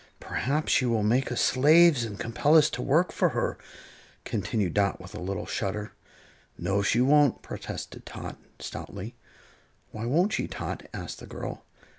"Perhaps she will make us slaves and compel us to work for her," continued Dot, with a little shudder. "No, she won't," protested Tot, stoutly. "Why won't she, Tot?" asked the girl.